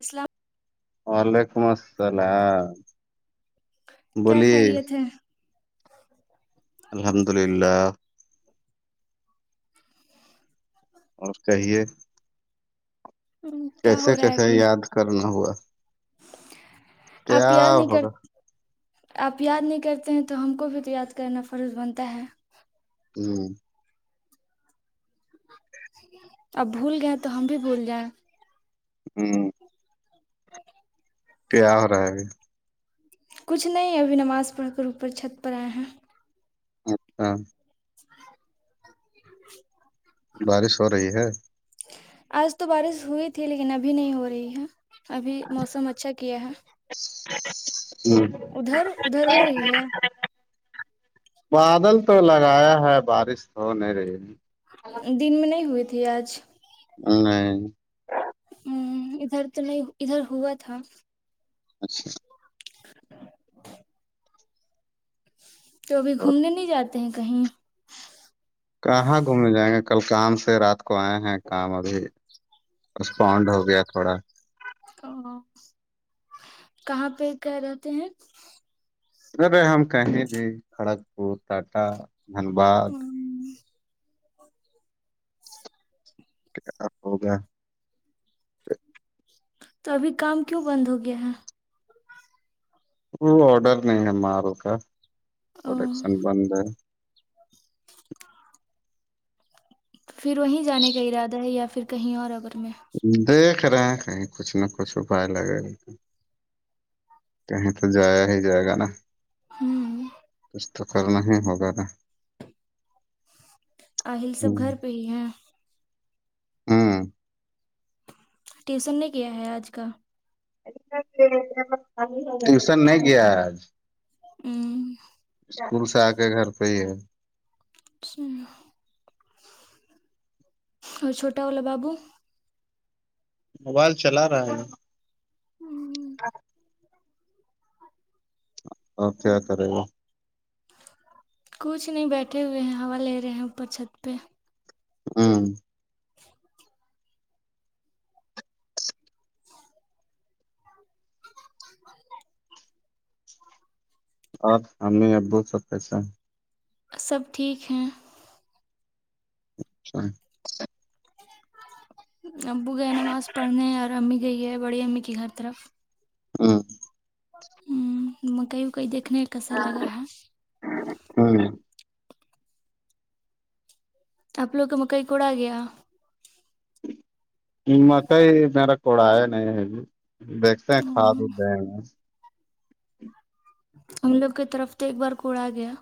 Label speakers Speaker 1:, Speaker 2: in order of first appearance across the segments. Speaker 1: اسلام
Speaker 2: وعلیکم السلام
Speaker 1: کیا
Speaker 2: بولیے
Speaker 1: خیریت ہے
Speaker 2: الحمد للہ اور کہاہیے
Speaker 1: ہم، کیا ہو
Speaker 2: کیسے
Speaker 1: رہا ہے
Speaker 2: کیسے
Speaker 1: ابھی
Speaker 2: یاد کرنا ہوا کیا
Speaker 1: آپ یاد نہیں کر
Speaker 2: ہوگا
Speaker 1: آپ یاد نہیں کرتے ہیں تو ہم کو بھی تو یاد کرنا فروض بنتا ہے
Speaker 2: ہوں
Speaker 1: اب بھول گئےیں تو ہم بھی بھول جائیں
Speaker 2: ہی کیا ہو رہا ہے اب
Speaker 1: کچھ نہیں ابھی نماز پڑھ کر اوپر چھت پر آئے ہیں
Speaker 2: اچھا
Speaker 1: [unintelligible]
Speaker 2: بارش ہو رہی ہے
Speaker 1: آج تو بارش ہوئی تھی لیکن ابھی نہیں ہو رہی ہے ابھی موسم اچھا کیا ہے
Speaker 2: [unintelligible]
Speaker 1: ادھر ادھر ہو رہی ہے
Speaker 2: بادل تو لگایا ہے بارش تو ہو نہیں رہی
Speaker 1: دن میں نہیں ہوئی تھی آج
Speaker 2: نہیں
Speaker 1: ادھر تو نہیں ادھر ہوا تھا
Speaker 2: اچھا
Speaker 1: [inaudible] تو ابھی گھومنے نہیں جاتے ہیں کہیں
Speaker 2: کہاں گھومنے جائیں گے کل کام سے رات کو آئے ہیں کام ابھی کانڑ ہو گیا تھوڑا
Speaker 1: او کہاں پہ کہ رہتے ہیں
Speaker 2: ار ہم کہیں گے کھڑگپور ٹاٹا دھنباد
Speaker 1: ہم،
Speaker 2: کیا اب ہوگا
Speaker 1: تو ابھی کام کیوں بند ہو گیا ہے
Speaker 2: وہ آڈر نہیں ہے مار کا
Speaker 1: او
Speaker 2: پروڈکشن بند ہے
Speaker 1: پھر وہیں جانے کا ارادہ ہے یا پھر کہیں اور اگر میں
Speaker 2: دیکھ رہے کہیں کچھ نہ کچھ اپائے لگےا کہیں تو جایا ہی جائے گا نا
Speaker 1: ہہم
Speaker 2: کچھ تو کرنا ہی ہوغیرہ
Speaker 1: آہل سب گھر پہ ہی ہے
Speaker 2: ہہم
Speaker 1: ٹیوسن نے کیا ہے آج کا
Speaker 2: ٹیوشن نہیں گیا آج
Speaker 1: ہہم
Speaker 2: اسکول سے آ کے گھر پہ ہی ہے
Speaker 1: اور چھوٹا والا بابو
Speaker 2: موبائل چلا رہا ہے
Speaker 1: ہہم
Speaker 2: ا کیا کرے گا
Speaker 1: کچھ نہیں بیٹھے ہوئے ہیں ہوا لے رہے ہیں اوپر چھت پہ
Speaker 2: ہاں
Speaker 1: [inaudible] [inaudible]
Speaker 2: اور امی ابو سب کیسے ہیں
Speaker 1: سب ٹھیک ہیں
Speaker 2: اچھا
Speaker 1: ابو گئے نماز پڑھنے اور امی گئی ہے بڑی امی کی گھر طرف
Speaker 2: ہاں
Speaker 1: ہ مکیی وکی دیکھنا کسا لگا ہا
Speaker 2: ہ [inaudible]
Speaker 1: آپ لوگ مکئی کوڑا آ گیا
Speaker 2: مک میرا کوڑایا نہیں ہے ج دیکھتے ہیں کھاد
Speaker 1: ہوں،
Speaker 2: دے [inaudible]
Speaker 1: ہم لوگ کی طرف تو ایک بار کوڑا گیا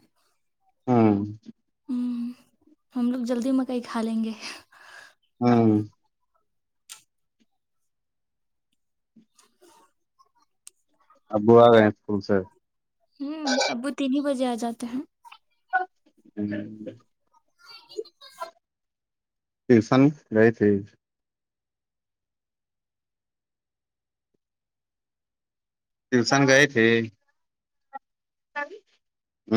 Speaker 2: ہاں
Speaker 1: ہوں ہم لوگ جلدی مکئی کھا لیں گے
Speaker 2: ہاں ابو آ گئے ہیں اسکول سے
Speaker 1: ہوں ابو تین ہی بجے آ جاتے ہیں
Speaker 2: ہ [inaudible]
Speaker 1: [inaudible]
Speaker 2: ٹیوشن گئی تھی ٹیوشن گئے تھے ہ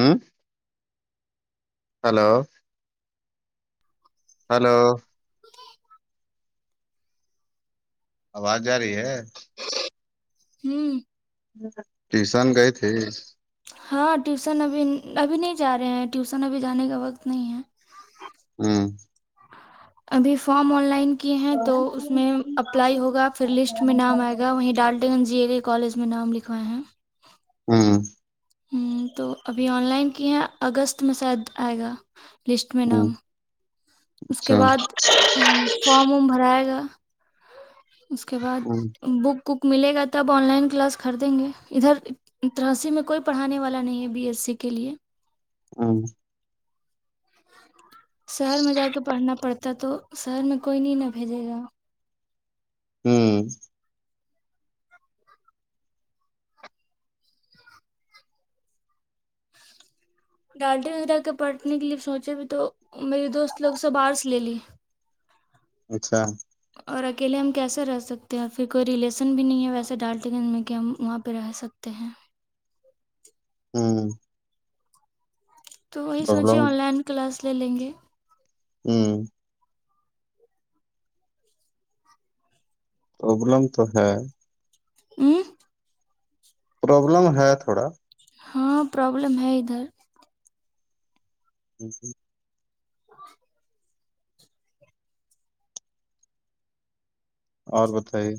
Speaker 2: ہلو ہلو آواز جا رہی ہے
Speaker 1: ہوں
Speaker 2: ٹیشن گئے تھے
Speaker 1: ہاں ٹیوسن ابھی ابھی نہیں جا رہے ہیں ٹیوسن ابھی جانے کا وقت نہیں ہے
Speaker 2: ہاں
Speaker 1: ابھی فارم آن لائن کی ہیں تو اس میں اپلائی ہوگا پھر لسٹ میں نام آئے گا وہیں ڈالٹے گنج جی اے کے کالج میں نام لکھوائے ہیں
Speaker 2: ہاں
Speaker 1: ہ تو ابھی آن لائن کی ہے اگست میں شاید آئے گا لسٹ میں
Speaker 2: ہ
Speaker 1: نام اس کے
Speaker 2: اچھا
Speaker 1: بعد فارم وم بھرائے گا اس کے بعد
Speaker 2: ہ
Speaker 1: بک کک ملے گا تب آن لائن کلاس کر دیں گے ادھر تراسی میں کوئی پڑھانے والا نہیں ہے بی ایس سی کے لیے
Speaker 2: ہاں
Speaker 1: شہر میں جا کے پڑھنا پڑتا تو شہر میں کوئی نہیں نہ بھیجے گا
Speaker 2: ہوں
Speaker 1: ڈڈی ویر کے پڑٹنے کے لیے سوچے بھی تو میری دوست لوگ سے باہر سے لے لی
Speaker 2: اچھا
Speaker 1: اور اکیلے ہم کیسے رہ سکتے ہیں پھر کوئی ریلیسن بھی نہیں ہے ویسے ڈالتے گنج میں کہ ہم وہاں پہ رہ سکتے تے ہیں
Speaker 2: ہاں
Speaker 1: تو وہی سوچے
Speaker 2: پرابلم
Speaker 1: آن لائن کلاس لے لیں گے
Speaker 2: ہاں پربلم تو ہے
Speaker 1: ا
Speaker 2: پروابلم ہے تھوڑا
Speaker 1: ہاں پرابلم ہے ادھر
Speaker 2: جیی
Speaker 1: ا
Speaker 2: اور بتائیے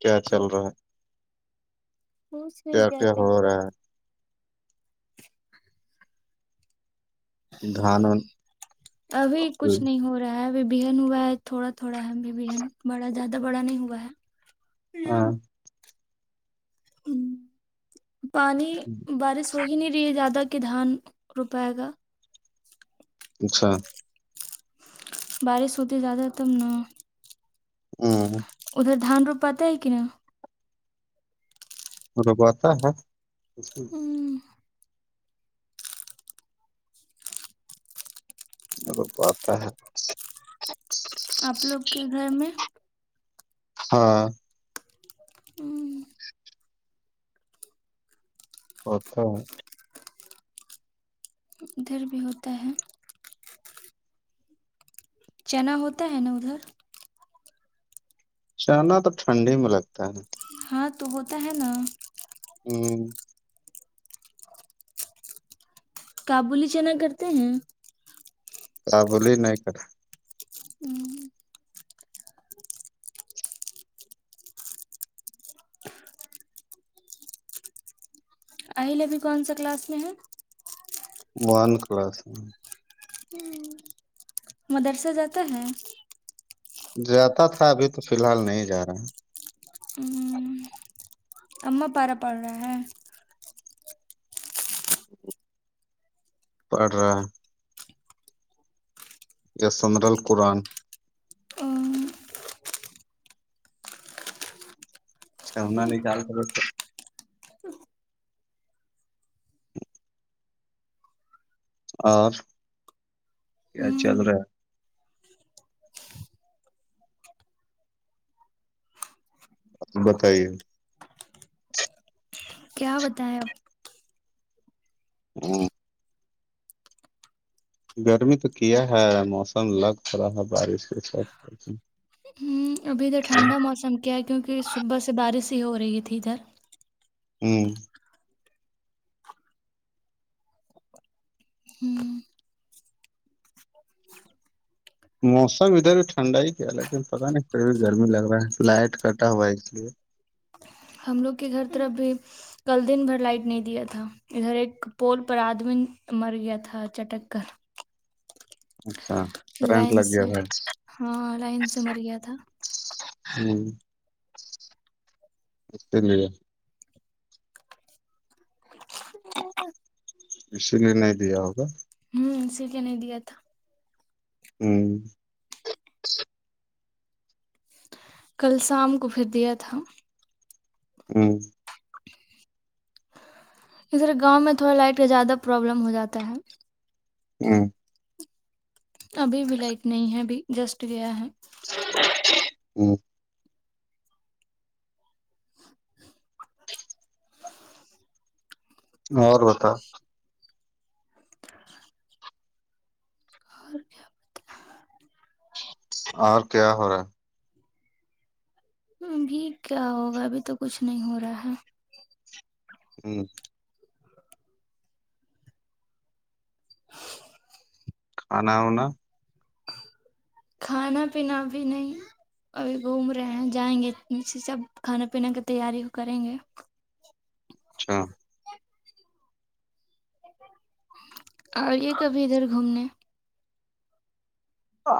Speaker 2: کیا چل رہا ہے
Speaker 1: پوچھ نہیں
Speaker 2: کیا کیا
Speaker 1: چل
Speaker 2: ہو رہا ہے ہے دھان
Speaker 1: ابھی کچھ نہیں ہو رہا رہا ہےبہن ہوا ہے تھوڑا تھوڑا ہےبن بڑا زیادہ بڑا نہیں ہوا ہے ہاں ہ پانی بارش تو ہی نہیں رہی ہے زیادہ کہ دھان روپائے گا
Speaker 2: اچھا
Speaker 1: بارش سدی زیادہ تم ن
Speaker 2: ہاں
Speaker 1: ادھر دھان روپات ہے ک نا
Speaker 2: وہ تو پتا ہے
Speaker 1: ہوں
Speaker 2: ملب آتا ہے
Speaker 1: آپ لوگ کے گھر میں
Speaker 2: ہاں
Speaker 1: ہوں
Speaker 2: اچھا
Speaker 1: ا دھر بھی ہوتا ہے چنا ہوتا ہے نا ادھر
Speaker 2: چنا تو ٹھنڈ ہی میں لگتا ہےا
Speaker 1: ہاں تو ہوتا ہے نا
Speaker 2: ہوں
Speaker 1: کابولی چنا کرتے ہیں
Speaker 2: آ بوللی نہیںائ کرا
Speaker 1: ہوں آہل ابھی کون سا کلاس میں ہے
Speaker 2: ون کلاس
Speaker 1: مدرسہ جاتے ہیں
Speaker 2: جاتا تھا ابھی تو فی الحال نہیں جا رہا
Speaker 1: ہوں ام پار پڑ رہا ہے
Speaker 2: پڑ رہا یسمرال قرآن
Speaker 1: ہوں
Speaker 2: اچھا اننا نے خیال کرو اور کیا چل رہا ہے بتائیے
Speaker 1: کیا بداؤ
Speaker 2: [unintelligible] گرمی تو کیا ہے موسم الگ پ رہا ہے بارش کے س
Speaker 1: ابھی ادھر ٹھنڈا موسم کیا ہے کیونکہ صبح سے بارش ہی ہو رہی تھی ادھر
Speaker 2: ہوں
Speaker 1: ہوں
Speaker 2: موسم ادھر بھی ٹھنڈا ہی کیا ہے لیکن پتا نہیں پھر بھی گرمی لگ رہا ہے لائٹ کٹا ہوا ہے اس لیے
Speaker 1: ہم لوگ کے گھر طرف بھی کل دن بھر لائٹ نہیں دیا تھا ادھر ایک پول پر آدمی مر گیا تھا چٹک کر
Speaker 2: اچھا کرنٹ
Speaker 1: لائن
Speaker 2: لگ
Speaker 1: سے
Speaker 2: گیا
Speaker 1: ہاں لائن سے مر گیا تھا
Speaker 2: سھر ہ ات ل اسی لیے نہیں دیا ہوگا
Speaker 1: ہوں سل کے نہیں دیا تھا
Speaker 2: ہوں
Speaker 1: کل شام کو پھر دیا تھا
Speaker 2: ہاں
Speaker 1: اس طرح گاؤں میں تھوڑا لائٹ کا زیادہ پرابلم ہو جاتا ہے
Speaker 2: ہاں
Speaker 1: ابھی بھی لائٹ نہیں ہے ابھی جسٹ گیا ہے
Speaker 2: ہوں اور بتا
Speaker 1: اور
Speaker 2: اور کیا ہو رہا ہے
Speaker 1: بھی کیا ہوگا ابھی تو کچھ نہیں ہو رہا ہے
Speaker 2: ہاں کھانا ہونا
Speaker 1: کھانا پینا بھی نہیں ابھی گھوم رہے ہیں جائیں گے ا سب کھانا پین کی تیاری کریں گے
Speaker 2: اچھا
Speaker 1: آئیے کبھی ادھر گھومنے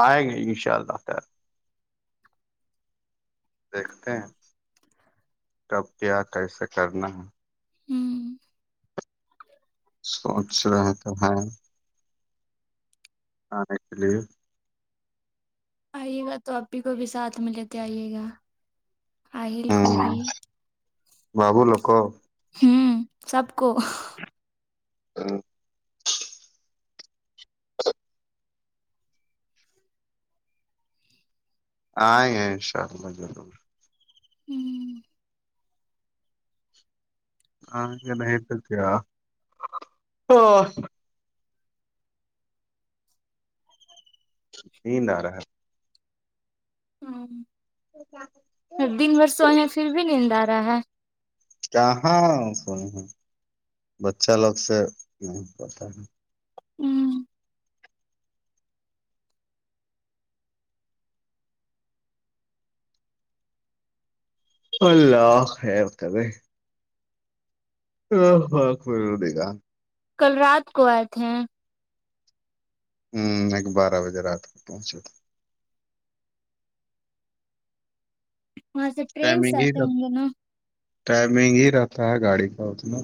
Speaker 2: آئیں گے ان شاء اللہ خع دیکھتے ہیں کب کیا کیسے کرنا ہے
Speaker 1: ہوں
Speaker 2: سوچ رہے تو ہیں ہاں ایکچولی
Speaker 1: آئیے گا تو ابھی کو بھی ساتھ میں لیتے آئیے گا اہل کو بھی
Speaker 2: ببو لوک
Speaker 1: ہوں سب کو
Speaker 2: ہاں آ ہیں ان شاء اللہ ضرور
Speaker 1: [inaudible]
Speaker 2: ہاں نیند آرہا ہے
Speaker 1: ہ دن بھر سے وہ پھر بھی ندا رہا ہے
Speaker 2: کہاں بچہ لوگ سے نہیں پتا ہے
Speaker 1: ہوں
Speaker 2: اللہ ہتب [inaudible]
Speaker 1: کل رات کو آئے تھ ہیں
Speaker 2: ہ ایک بارہ بجے رات تک پہنچے تھا
Speaker 1: وہاں سےب
Speaker 2: ٹائمنگ ہی ٹائمنگ ہی رہتا ہے گاڑی کا اتنا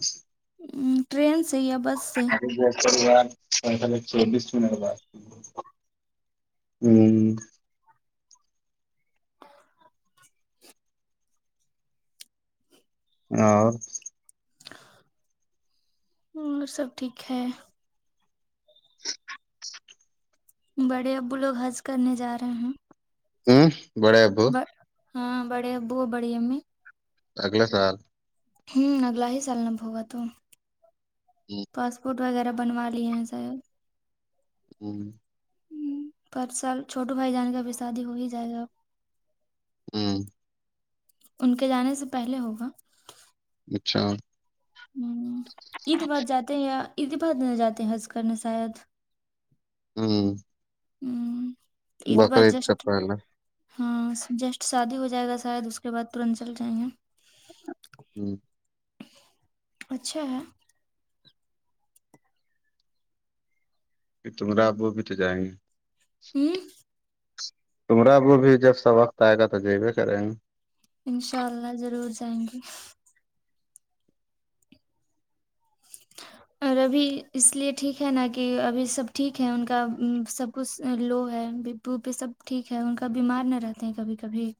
Speaker 1: ٹرین سے اب
Speaker 2: ا جی چان پ چوبیس منٹ بات ہ اور
Speaker 1: اور سب ٹھیک ہے
Speaker 2: [inaudible]
Speaker 1: بڑے ابو لوگ ہنس کرنے جا رہے ہیں
Speaker 2: ہوں بڑےبو
Speaker 1: ہاں بڑے ابو اور بڑی امی
Speaker 2: اگلے سال
Speaker 1: ہوں اگلا ہی سالناب ہوگا تو پاسپورٹ وغیرہ بنوا لیے ہیں ساید
Speaker 2: ہ
Speaker 1: ہ پر سر چھوٹو بھائی جان کا بھی شادی ہو ہی جائے گا
Speaker 2: ہوں
Speaker 1: ان کے جانے سے پہلے ہوگا
Speaker 2: اچھا
Speaker 1: ہ عید بد جاتے ہیں یا عید بد ن جاتے حنس کرنے شاید
Speaker 2: ہاں
Speaker 1: ہوں ا ب
Speaker 2: سے
Speaker 1: جسٹ
Speaker 2: پہلے
Speaker 1: ہاں جسٹ شادی ہو جائے گا شاید اس کے بعد ترنت چل جائیں گے
Speaker 2: ہوں
Speaker 1: اچھا ہے
Speaker 2: تمرا آ وہ بھی تو جائیں گے
Speaker 1: ہ
Speaker 2: تمرا وہ بھی جب سا وقت آئے گا تو جیبے کریں گے
Speaker 1: انشاء اللہ ضرور جائیں گی
Speaker 2: [inaudible]
Speaker 1: اور ابھی اس لیے ٹھیک ہے نا کہ ابھی سب ٹھیک ہے ان کا سب کچھ لو ہے بو پہ سب ٹھیک ہے ان کا بیمار نہ رہتے ہیں کبھی کبھی